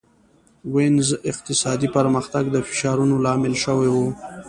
وینز اقتصادي پرمختګ د فشارونو لامل شوی و.